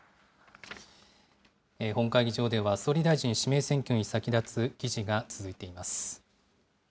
本会議場では、総理大臣指名選挙に先立つ議事が続いています。